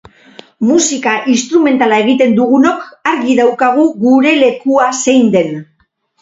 Musika instrumentala egiten dugunok argi daukagu gure lekua zein den.